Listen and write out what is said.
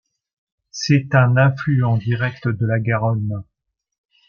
C'est un affluent direct de la Garonne.